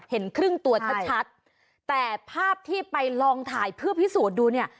เห็นครึ่งตัวชัดชัดแต่ภาพที่ไปลองถ่ายเพื่อพิสูจน์ดูเนี่ย